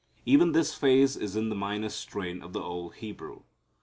Even this phase is in the minor strain of the old Hebrew.